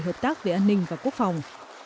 hợp tác về an ninh và quốc phòng